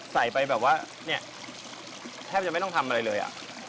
ใส่ไปแบบว่าเนี่ยแทบจะไม่ต้องทำอะไรเลย